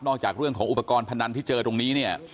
จากเรื่องของอุปกรณ์พนันที่เจอตรงนี้เนี่ย